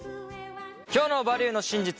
今日の「バリューの真実」